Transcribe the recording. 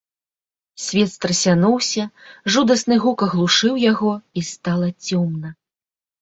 Свет страсянуўся, жудасны гук аглушыў яго, і стала цёмна.